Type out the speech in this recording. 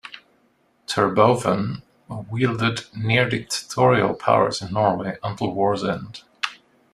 Terboven wielded near-dictatorial powers in Norway until war's end.